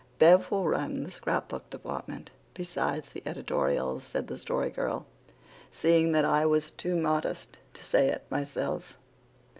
"Bev will run the scrap book department, besides the editorials," said the Story Girl, seeing that I was too modest to say it myself.